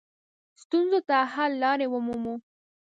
ستونزو ته حل لارې ومومو.